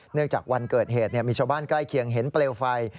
จากวันเกิดเหตุมีชาวบ้านใกล้เคียงเห็นเปลวไฟ